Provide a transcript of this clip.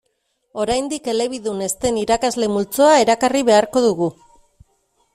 Oraindik elebidun ez den irakasle multzoa erakarri beharko dugu.